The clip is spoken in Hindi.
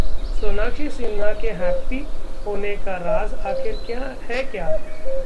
सोनाक्षी सिन्हा के 'हैप्पी' होने का राज आखिर है क्या?